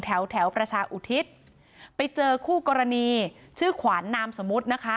แถวแถวประชาอุทิศไปเจอคู่กรณีชื่อขวานนามสมมุตินะคะ